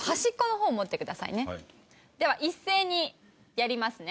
では一斉にやりますね。